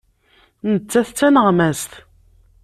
Nettat d taneɣmast.